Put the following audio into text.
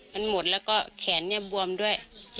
มันหมดแล้วก็แขนเนี่ยบวมด้วย